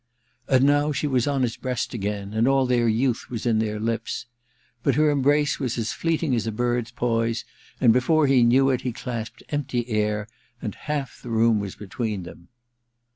And now she was on his breast again, and all their youth was in their lips. But her embrace was as fleeting as a bird's poise, and before he knew it he clasped empty air and half the room was between them.